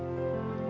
dan liatnya malu